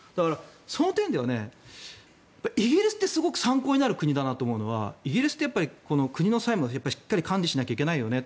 その点ではイギリスって、すごく参考になる国だなと思うのはイギリスって国の債務をしっかり管理しなきゃいけないよねと。